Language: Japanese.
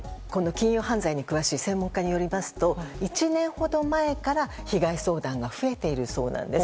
金融犯罪に詳しい専門家によりますと１年ほど前から被害相談が増えているそうなんです。